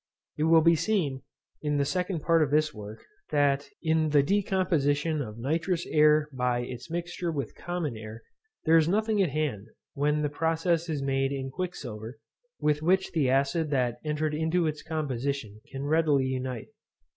It will be seen, in the second part of this work, that, in the decomposition of nitrous air by its mixture with common air, there is nothing at hand when the process is made in quicksilver, with which the acid that entered into its composition can readily unite.